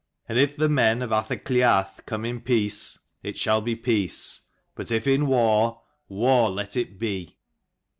|^^^^^ and if the men f Athacliath jggg|^g^2Q|come in peace, it shall be peace : but if in war, war let it be."